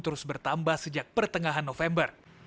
terus bertambah sejak pertengahan november